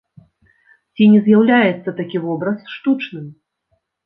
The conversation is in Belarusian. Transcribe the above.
Ці не з'яўляецца такі вобраз штучным?